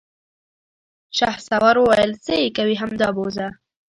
شهسوار وويل: څه يې کوې، همدا بوځه!